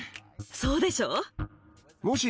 そうでしょう。